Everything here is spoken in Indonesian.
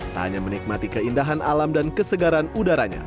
tak hanya menikmati keindahan alam dan kesegaran udaranya